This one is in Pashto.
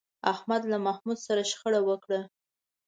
احمد له محمود سره شخړه وکړه.